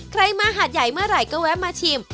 ใครมาหาดใหญ่เมื่อไหร่ก็แวะมาชิม